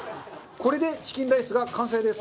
これでチキンライスが完成です。